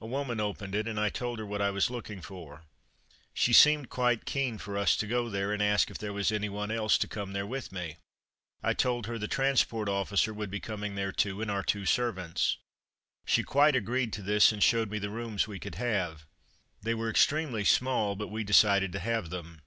A woman opened it, and I told her what I was looking for. She seemed quite keen for us to go there, and asked if there was anyone else to come there with me. I told her the transport officer would be coming there too, and our two servants. She quite agreed to this, and showed me the rooms we could have. They were extremely small, but we decided to have them.